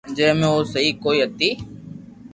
جو مي او سھي ڪوئي ھتئ